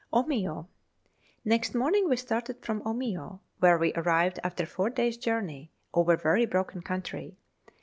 Omeo. Next morning we started for Omeo, where we arrived after four days' journey over very broken country.